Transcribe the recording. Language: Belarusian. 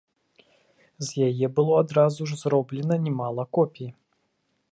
З яе было адразу ж зроблена нямала копій.